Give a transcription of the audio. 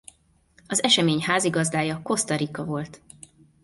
Az esemény házigazdája Costa Rica volt.